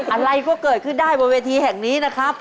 อะไรก็เกิดขึ้นได้บนเวทีแห่งนี้นะครับ